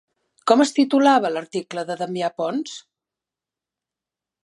Com es titulava l'article de Damià Pons?